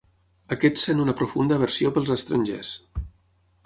Aquest sent una profunda aversió pels estrangers.